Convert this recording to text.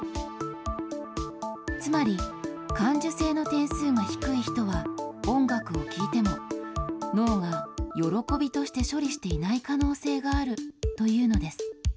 つまり、感受性の点数が低い人は、音楽を聴いても脳が喜びとして処理していない可能性があるというのです。